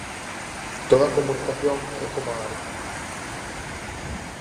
Toda comunicación é como a arte.